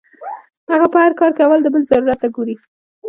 هغه پۀ هر کار کې اول د بل ضرورت ته ګوري -